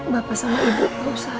bapak sama ibu